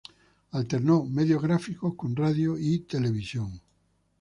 Alternó medios gráficos, con radio y televisión.